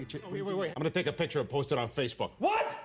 saya akan mengambil gambar dan menulisnya di facebook